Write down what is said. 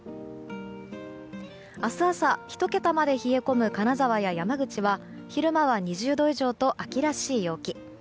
明日朝、１桁まで冷え込む金沢や山口は昼間は２０度以上と秋らしい陽気。